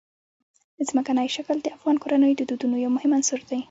ځمکنی شکل د افغان کورنیو د دودونو یو مهم عنصر دی.